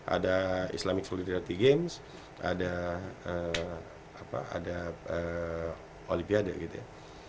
ada islamic solidarity games ada olimpiade gitu ya